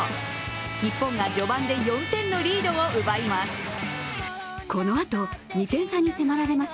日本が序盤で４点のリードを奪います。